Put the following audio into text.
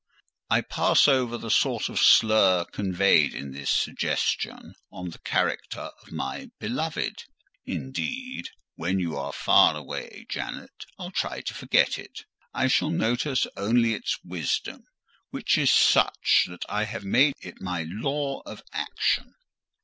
I pass over the sort of slur conveyed in this suggestion on the character of my beloved; indeed, when you are far away, Janet, I'll try to forget it: I shall notice only its wisdom; which is such that I have made it my law of action.